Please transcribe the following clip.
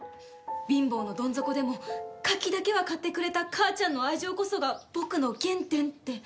「貧乏のどん底でも柿だけは買ってくれた母ちゃんの愛情こそが僕の原点」って。